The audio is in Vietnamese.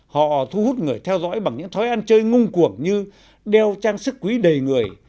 họ thu hút người theo dõi bằng những thói ăn chơi ngung cuộng như đeo trang sức quý đầy người